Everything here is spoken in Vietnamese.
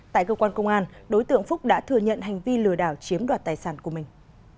tại cơ quan công an đối tượng phúc đã thừa nhận hành vi lừa đảo chiếm đoạt tài sản của mình